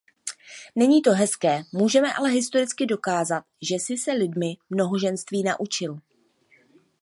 Není to hezké, můžeme ale historicky dokázat, že jsi se lidmi mnohoženství naučil.